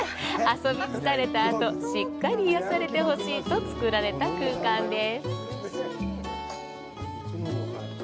遊び疲れたあとしっかり癒やされてほしいとつくられた空間です。